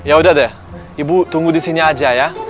yaudah deh ibu tunggu disini aja ya